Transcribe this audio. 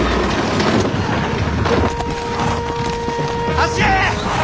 走れ！